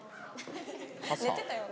寝てたよね。